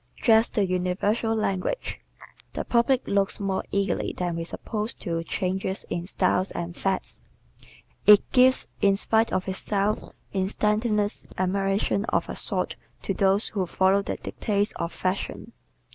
Dress the Universal Language ¶ The public looks more eagerly than we suppose to changes in styles and fads. It gives, in spite of itself, instantaneous admiration of a sort to those who follow the dictates of fashion.